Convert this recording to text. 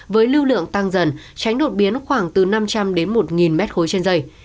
với lưu lượng tăng dần tránh đột biến khoảng từ năm trăm linh đến một m ba trên dây